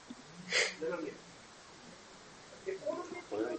栃木県那珂川町